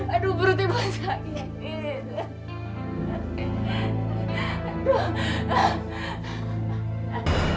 aduh perut ibu sakit